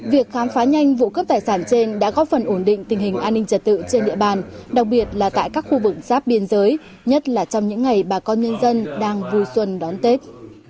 việc khám phá nhanh vụ cướp tài sản trên đã góp phần ổn định tình hình an ninh trật tự trên địa bàn đặc biệt là tại các khu vực giáp biên giới nhất là trong những ngày bà con nhân dân đang vui xuân đón tết